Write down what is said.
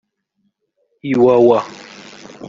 Iwawa